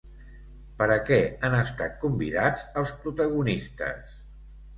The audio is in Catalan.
Per a què han estat convidats els protagonistes?